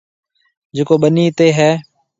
جڪو ٻنِي تي هيَ۔